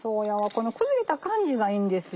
この崩れた感じがいいんですよ。